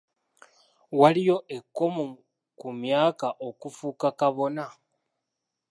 Waliyo ekkomo ku myaka okufuuka kabona?